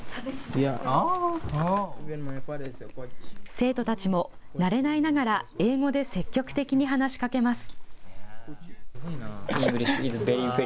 生徒たちも慣れないながら英語で積極的に話しかけます。